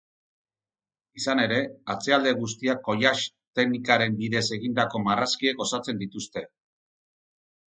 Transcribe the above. Izan ere, atzealde guztiak collage teknikaren bidez egindako marrazkiek osatzen dituzte.